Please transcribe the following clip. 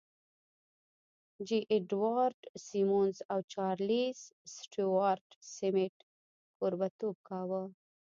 جې اډوارډ سيمونز او چارليس سټيوارټ سميت کوربهتوب کاوه.